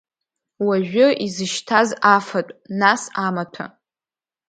Уажәы изышьҭаз афатә, нас амаҭәа.